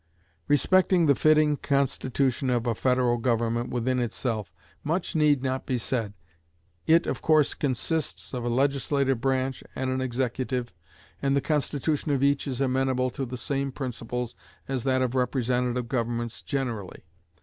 Respecting the fitting constitution of a federal government within itself, much need not be said. It of course consists of a legislative branch and an executive, and the constitution of each is amenable to the same principles as that of representative governments generally.